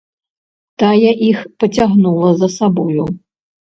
Тая іх пацягнула за сабою.